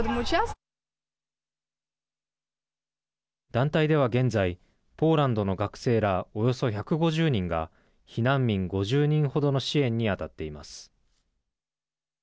団体では現在ポーランドの学生らおよそ１５０人が避難民５０人ほどの支援に当たっています。